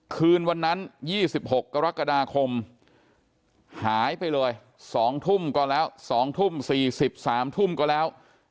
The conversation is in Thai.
คืนวันนั้น๒๖กรกฎาคมหายไปเลย๒ทุ่มก็แล้ว๒ทุ่ม๔๓ทุ่มก็แล้ว